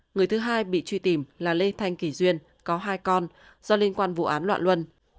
người thứ hai bị truy tìm là lê thanh kỳ duyên có hai con do liên quan vụ án loạn luân